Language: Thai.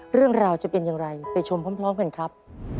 เรื่องราวจะเป็นอย่างไรไปชมพร้อมกันครับ